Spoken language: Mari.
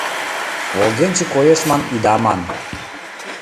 Волгенче коеш ман ида ман -